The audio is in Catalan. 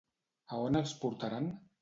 A on els portaran?